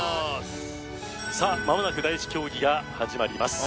さあまもなく第１競技が始まります